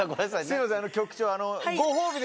すいません局長。